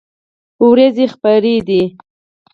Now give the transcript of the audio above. ورېځې خپری دي